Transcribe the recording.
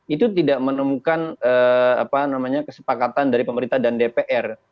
itu tidak menemukan kesepakatan dari pemerintah dan dpr